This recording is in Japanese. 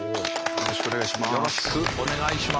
よろしくお願いします。